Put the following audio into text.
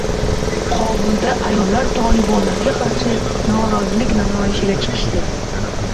Qobulda ayollar tolibonlarga qarshi norozilik namoyishiga chiqishdi